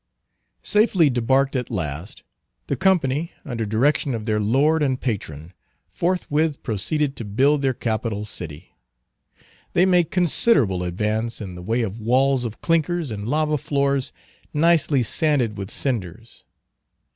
Safely debarked at last, the company, under direction of their lord and patron, forthwith proceeded to build their capital city. They make considerable advance in the way of walls of clinkers, and lava floors, nicely sanded with cinders.